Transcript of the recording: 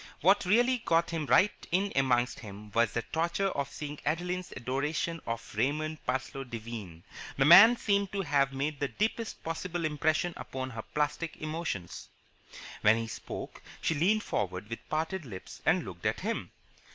What really got right in amongst him was the torture of seeing Adeline's adoration of Raymond Parsloe Devine. The man seemed to have made the deepest possible impression upon her plastic emotions. When he spoke, she leaned forward with parted lips and looked at him.